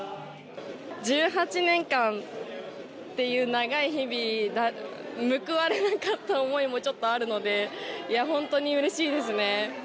１８年間っていう長い日々、報われなかった思いもちょっとあるので、いや、本当にうれしいですね。